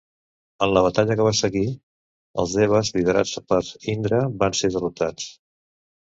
En la batalla que va seguir, els Devas, liderats per Indra, van ser derrotats.